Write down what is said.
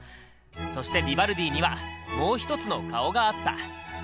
そしてヴィヴァルディにはもう一つの顔があった。